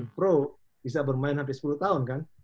di tim pro bisa bermain sampai sepuluh tahun kan